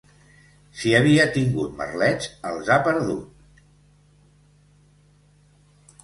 Si havia tingut merlets, els ha perdut.